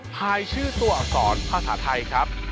ภายชื่อตัวอักษรภาษาไทยครับ